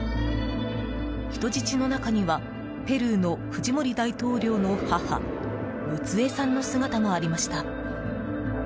人質の中にはペルーのフジモリ大統領の母ムツエさんの姿もありました。